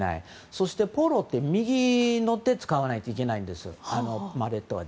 そしてポロって右手を使わないといけないんです、マレットは。